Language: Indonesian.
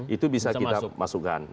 itu bisa kita masukkan